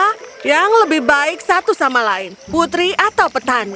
ada yang lebih baik satu sama lain putri atau petani